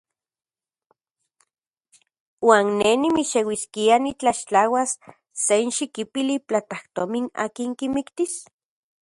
¿Uan ne nimixeuiskia nitlaxtlauas senxikipili platajtomin akin kimiktis?